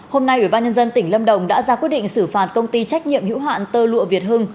hôm nay ủy ban nhân dân tỉnh lâm đồng đã ra quyết định xử phạt công ty trách nhiệm hữu hạn tơ lụa việt hưng